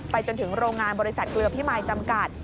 จนถึงโรงงานบริษัทเกลือพิมายจำกัด